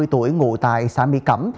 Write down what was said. ba mươi tuổi ngụ tại xã mỹ cẩm